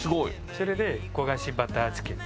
それで焦がしバターつける。